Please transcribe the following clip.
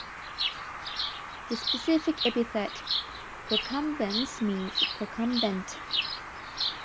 The specific epithet ("procumbens") means "procumbent".